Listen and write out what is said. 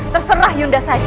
terserah yudha saja